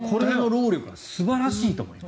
これの労力は素晴らしいと思います。